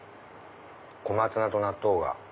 小松菜と納豆が。